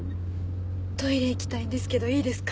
トイレ行きたいんですけどいいですか？